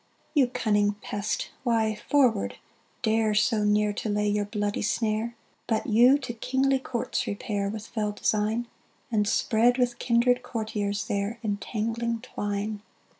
You cunning pest! why, forward, dare So near to lay your bloody snare! But you to kingly courts repair With fell design, And spread with kindred courtiers there Entangling twine.